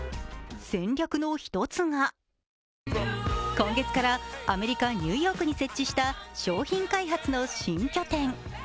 戦略の一つが今月からアメリカ・ニューヨークに設置した商品開発の新拠点。